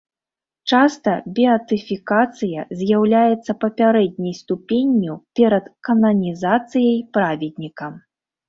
Часта беатыфікацыя з'яўляецца папярэдняй ступенню перад кананізацыяй праведніка.